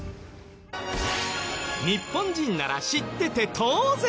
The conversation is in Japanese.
日本人なら知ってて当然。